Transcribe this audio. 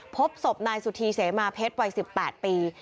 พบศพนายสุธีเสมาเพชรวัย๑๘ปี